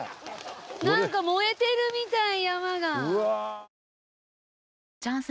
なんか燃えてるみたい山が。